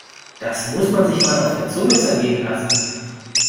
Das muss man sich mal auf der Zunge zergehen lassen!